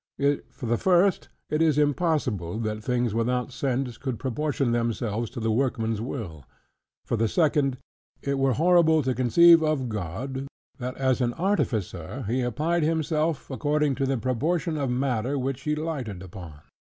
For the first, it is impossible, that things without sense could proportion themselves to the workman's will. For the second: it were horrible to conceive of God, that as an artificer He applied himself, according to the proportion of matter which He lighted upon.